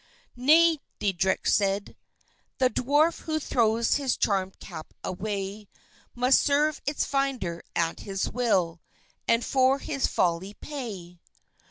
"Nay," Deitrich said; "the Dwarf who throws his charmèd cap away, Must serve its finder at his will, and for his folly pay.